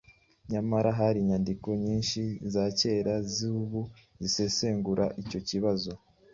Nyamara hari inyandiko nyinshi za kera n'iz'ubu zisesengura icyo kibazo,